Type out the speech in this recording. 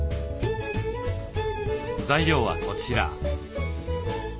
材料はこちら。